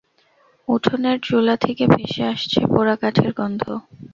উঠোনের চুলা থেকে ভেসে আসছে পোড়া কাঠের গন্ধ।